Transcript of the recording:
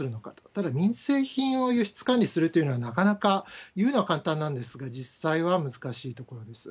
ただ、民生品を輸出管理するというのはなかなか、言うのは簡単なんですが、実際は難しいところです。